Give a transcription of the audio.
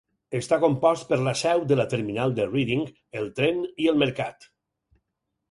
Està compost per la seu de la terminal de Reading, el tren i el mercat.